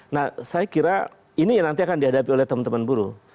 nah saya kira ini yang nanti akan dihadapi oleh teman teman buruh